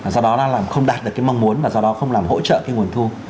do đó là không đạt được cái mong muốn và do đó không làm hỗ trợ cái nguồn thu